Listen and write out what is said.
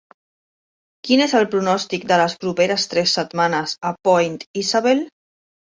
quin és el pronòstic de les properes tres setmanes a Point Isabel